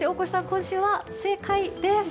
今週は正解です。